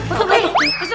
ayo kesan kesan